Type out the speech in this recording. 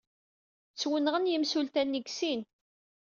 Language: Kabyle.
Ttwenɣen yimsulta-nni deg sin.